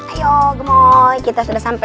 ayo gemo kita sudah sampai